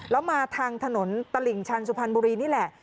แล้วมาทางถนนตลิ่งชันสุพรรณบุรีนี่แหละ